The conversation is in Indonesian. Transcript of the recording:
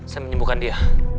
saya menyembuhkan dia